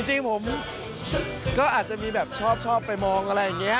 จริงผมก็อาจจะมีแบบชอบไปมองอะไรอย่างนี้